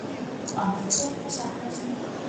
Anteeksi että sähläsin.